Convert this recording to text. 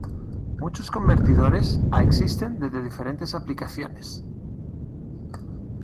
Muchos convertidores a existen desde diferentes aplicaciones.